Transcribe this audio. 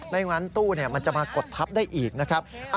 ไม่งั้นตู้มันจะมากดทับได้อีกนะครับ